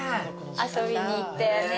遊びに行ったよね